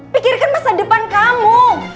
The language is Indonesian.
pikirkan masa depan kamu